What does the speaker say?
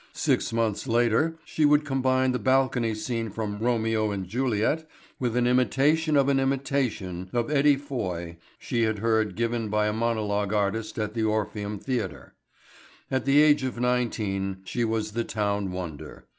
Six months later she would combine the balcony scene from "Romeo and Juliet" with an imitation of an imitation of Eddie Foy she had heard given by a monologue artist at the Orpheum Theatre. At the age of nineteen she was the town wonder.